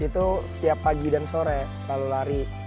itu setiap pagi dan sore selalu lari